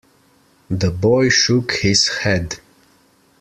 The boy shook his head.